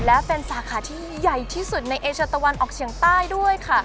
และเป็นสาขาที่ใหญ่ที่สุดในเอเชียตะวันออกเฉียงใต้ด้วยค่ะ